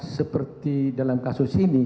seperti dalam kasus ini